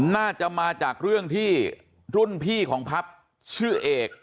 น่าจะมาจากเรื่องที่รุ่นพี่ของพับชื่อเอก